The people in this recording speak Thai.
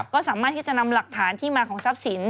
ก็สามารถที่จะนำหลักฐานที่มาของทรัพย์สิน